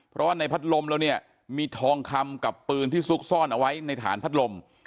เพราะว่าในพัดลมแล้วเนี่ยมีทองคำกับปืนที่ซุกซ่อนเอาไว้ในฐานพัดลม